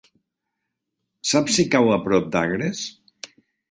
Saps si cau a prop d'Agres?